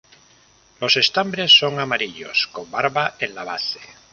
Los estambres son amarillos con barba en la base.